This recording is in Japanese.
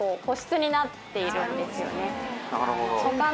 なるほど。